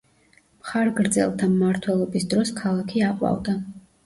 მხარგრძელთა მმართველობის დროს ქალაქი აყვავდა.